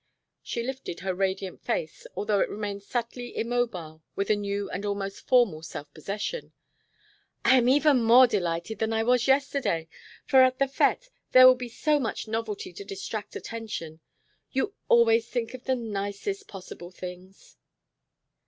She lifted her radiant face, although it remained subtly immobile with a new and almost formal self possession. "I am even more delighted than I was yesterday, for at the fête there will be so much novelty to distract attention. You always think of the nicest possible things."